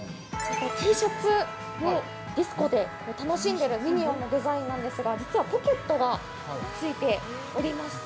◆Ｔシャツも、ディスコで楽しんでいるミニオンのデザインなんですが、実はポケットがついておりまして。